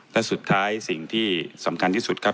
และสุดท้ายสิ่งที่สำคัญที่สุดครับ